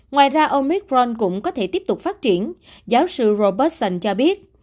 ngoài ra omicron cũng có thể tiếp tục phát triển giáo sư robertson cho biết